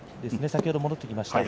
先ほど戻ってきました。